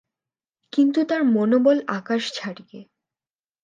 কিন্তু তার মনোবল আকাশ ছাড়িয়ে।